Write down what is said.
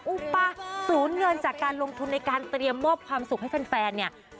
อุ๊ปปะสูญเงินจากการลงทุนในการเตรียมมอบความสุขให้แฟน